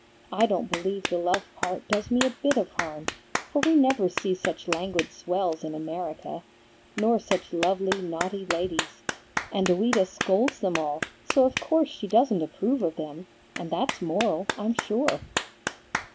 I don't believe the love part does me a bit of harm, for we never see such languid swells in America, nor such lovely, naughty ladies; and Ouida scolds them all, so of course she doesn't approve of them, and that's moral, I'm sure."